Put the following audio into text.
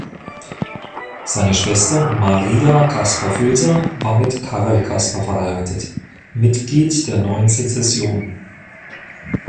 Seine Schwester Maria Caspar-Filser war mit Karl Caspar verheiratet, Mitglied der Neuen Sezession.